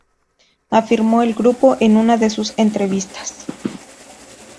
Afirmó el grupo en una de sus entrevistas.